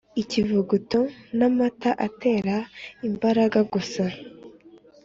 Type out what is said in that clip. Ikivuguto n’amata atera imbaraga gusa